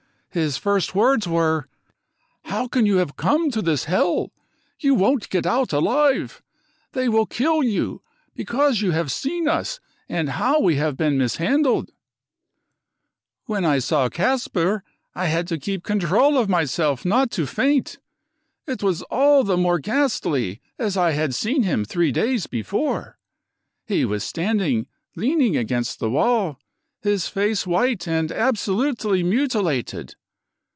His first words were 4 How can you have come to this hell ? You won't get out alive ! They will kill you, because you have seen us and how we have been mis handled l ' When I saw Kasper, I had to keep control of r THE CONCENTRATION CAMPS myself not to faint. It was all the more ghastly as I had l seen him three days before. He was standing leaning * t' against the wall, his face white and absolutely mutilated.